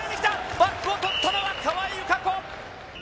バックを取ったのは川井友香子。